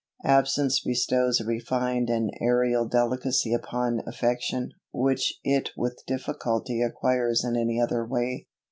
Absence bestows a refined and aërial delicacy upon affection, which it with difficulty acquires in any other way.